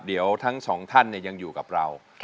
เดี๋ยวทั้งสองท่านยังอยู่กับเรา